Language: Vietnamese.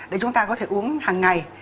để chúng ta có thể uống hàng ngày